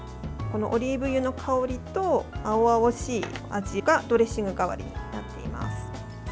オリーブ油の香りと青々しいアジがドレッシング代わりになっています。